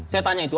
saya tanya itu